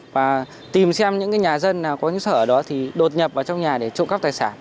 và tìm xem những nhà dân nào có những sở ở đó thì đột nhập vào trong nhà để trộm cắp tài sản